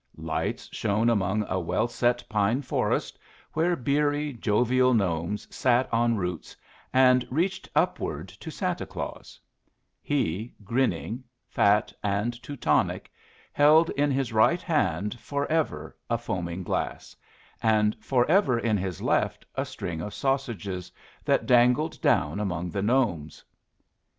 Lights shone among a well set pine forest, where beery, jovial gnomes sat on roots and reached upward to Santa Claus; he, grinning, fat, and Teutonic, held in his right hand forever a foaming glass, and forever in his left a string of sausages that dangled down among the gnomes.